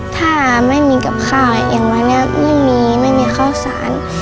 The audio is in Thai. ถ้าไม่มีกับข้าวอย่างวันนี้ไม่มีไม่มีข้าวสาร